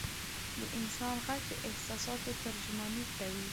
د انسان ږغ د احساساتو ترجماني کوي.